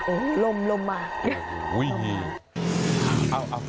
โอ้โหลมมา